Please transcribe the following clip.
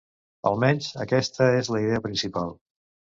Almenys aquesta és la idea principal.